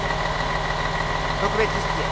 特別室へ。